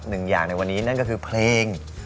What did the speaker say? หนึ่งอย่างในวันนี้นั่นก็คือเพลง